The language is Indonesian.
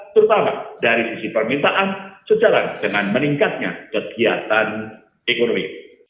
terutama dari sisi permintaan sejalan dengan meningkatnya kegiatan ekonomi